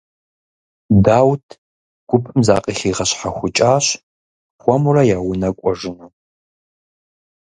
Даут гупым закъыхигъэщхьэхукӀащ, хуэмурэ я унэ кӀуэжыну.